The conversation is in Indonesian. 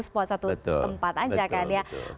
spot satu tempat aja kan ya